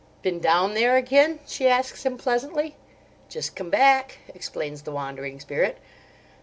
"Been down there again?" she asks him pleasantly. "Just come back," explains the Wandering Spirit.